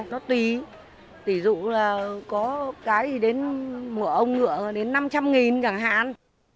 nó tùy tỷ dụ là có cái thì đến mỡ ông ngựa đến năm trăm linh nghìn chẳng hạn